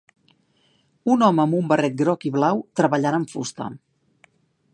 Un home amb un barret groc i blau treballant amb fusta.